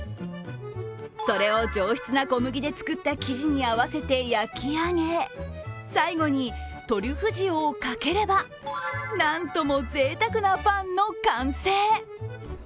それを上質な小麦で作った生地に合わせて焼き上げ、最後にトリュフ塩をかければなんともぜいたくなパンの完成。